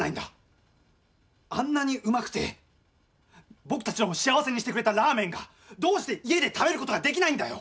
あんなにうまくて僕たちを幸せにしてくれたラーメンがどうして家で食べることができないんだよ！